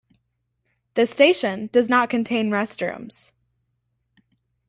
The station does not contain restrooms.